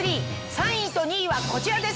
３位と２位はこちらです。